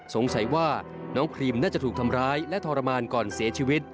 สงสัยว่าน้องครีมน่าจะถูกทำร้ายและทรมานก่อนเสียชีวิต